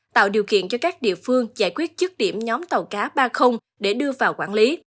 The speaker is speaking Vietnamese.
tạo điều kiện cho các địa phương giải quyết chức điểm nhóm tàu cá ba để đưa vào quản lý